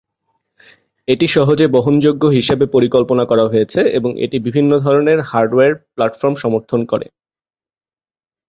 এটি সহজে বহনযোগ্য হিসাবে পরিকল্পনা করা হয়েছে এবং এটি বিভিন্ন ধরণের হার্ডওয়্যার প্ল্যাটফর্ম সমর্থন করে।